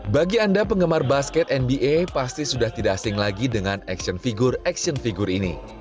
bagi anda penggemar basket nba pasti sudah tidak asing lagi dengan action figure action figure ini